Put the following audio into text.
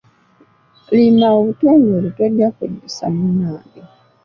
Lima obutungulu tojja kwejjusa munnage.